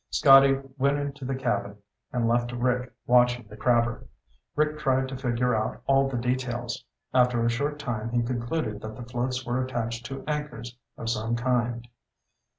Scotty went into the cabin and left Rick watching the crabber. Rick tried to figure out all the details. After a short time he concluded that the floats were attached to anchors of some kind.